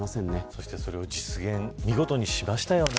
そしてそれを見事に実現しましたよね。